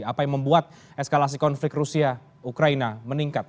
apa yang membuat eskalasi konflik rusia ukraina meningkat